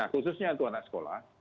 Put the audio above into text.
khususnya untuk anak sekolah